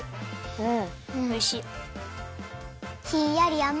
うん！